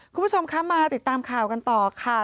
คุณผู้ชมคะมาติดตามข่าวกันต่อค่ะ